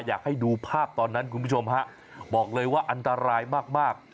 อยากให้ดูภาพตอนนั้นคุณผู้ชมฮะบอกเลยว่าอันตรายมาก